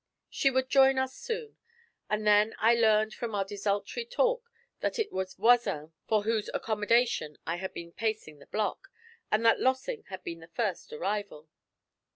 She would join us soon; and then I learned from our desultory talk that it was Voisin for whose accommodation I had been pacing the block, and that Lossing had been the first arrival.